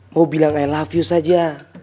mau bilang i love you saja